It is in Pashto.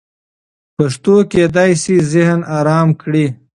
پښتو کېدای سي ذهن ارام کړي.